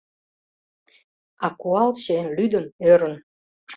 А куалче лӱдын-ӧрын